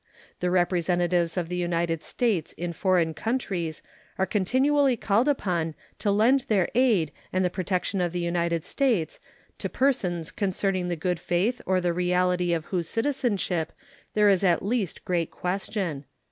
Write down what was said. The representatives of the United States in foreign countries are continually called upon to lend their aid and the protection of the United States to persons concerning the good faith or the reality of whose citizenship there is at least great question.